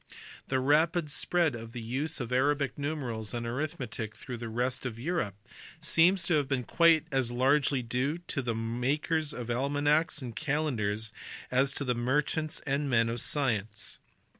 The rapid spread of the use of Arabic numerals and arithmetic through the rest of Europe seems to have been quite as largely due to the makers of almanacks and calendars as to merchants and men of science.